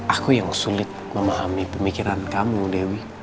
aku yang sulit memahami pemikiran kamu dewi